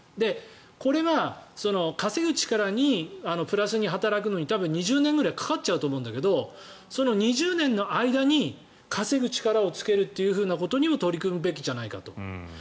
これが稼ぐ力にプラスに働くのに多分２０年ぐらいかかっちゃうと思うんだけどその２０年の間に稼ぐ力をつけることにも取り組むべきじゃないかと。